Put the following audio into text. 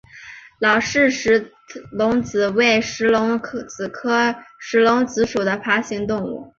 刘氏石龙子为石龙子科石龙子属的爬行动物。